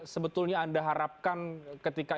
sebetulnya anda harapkan ketika